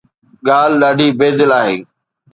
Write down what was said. ڳالهه ڏاڍي بي دل آهي